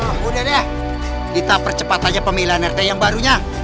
kemudian ya kita percepat aja pemilihan rt yang barunya